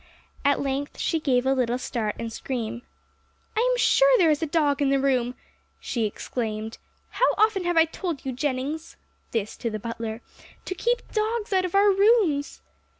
At length she gave a little start and scream. 'I am sure there is a dog in the room!' she exclaimed. 'How often I have told you, Jennings' (this to the butler), 'to keep the dogs out of our rooms!'